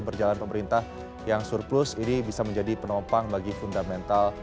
berjalan pemerintah yang surplus ini bisa menjadi penopang bagi fundamental